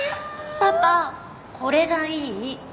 パパこれがいい。